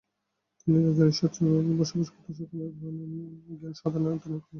তিনি রাজধানীতে সচ্ছলভাবে বসবাস করতে সক্ষম হন এবং জ্ঞানসাধনায় আত্মনিয়োগ করেন।